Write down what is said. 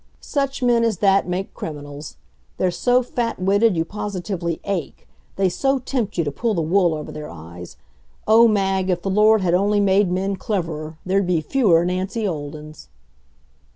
Such men as that make criminals. They're so fat witted you positively ache they so tempt you to pull the wool over their eyes. O Mag, if the Lord had only made men cleverer, there'd be fewer Nancy Oldens.